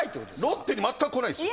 ロッテにまったく来ないっすよ。